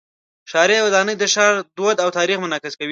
ښاري ودانۍ د ښار دود او تاریخ منعکس کوي.